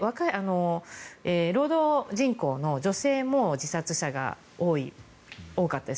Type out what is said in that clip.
労働人口の女性も自殺者が多かったです